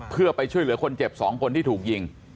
เพื่อไปช่วยเหลือคนเจ็บ๒คนที่ถูกยิง